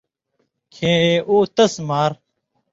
کھیں اُو تس مار،